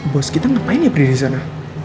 bos kita ngapain ya berada disana